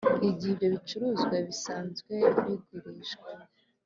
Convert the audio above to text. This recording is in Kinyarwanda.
igihe ibyo bicuruzwa bisanzwe bigurishwa